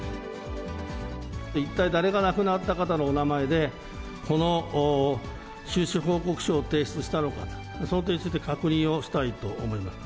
一体、誰が亡くなった方のお名前で、この収支報告書を提出したのか、その点について、確認をしたいと思います。